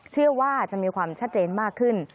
เชื่อว่าจะมีความชัดเจนมากขึ้น